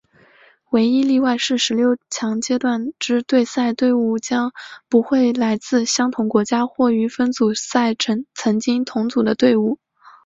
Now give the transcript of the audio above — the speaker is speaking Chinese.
唯一例外是十六强阶段之对赛对伍将不会来自相同国家或于分组赛曾经同组的队伍。